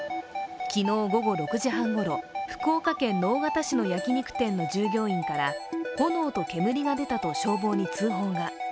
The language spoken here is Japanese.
昨日午後６時半ごろ福岡県直方市の焼肉店の従業員から炎と煙が出たと消防に通報が。